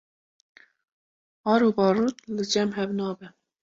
Ar û barût li cem hev nabe